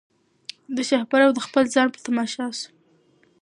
د شهپر او د خپل ځان په تماشا سو